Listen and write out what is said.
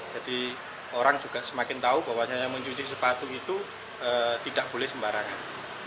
jadi orang juga semakin tahu bahwa hanya mencuci sepatu itu tidak boleh sembarangan